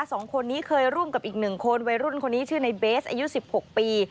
สองคนนี้เคยร่วมกับอีกหนึ่งคนวัยรุ่นคนนี้ชื่อในเบสอายุสิบหกปี